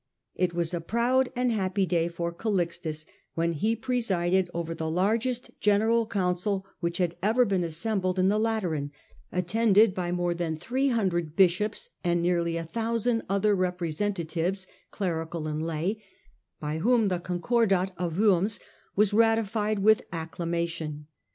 It was a proud and happy day for Calixtus when he presided over the largest general council which had Concordat evor assembled in the Lateran, attended by Rome more than three hundred bishops, and nearly a thousand other representatves, clerical and lay, by whom the Concordat of Worms was ratified with accla mation.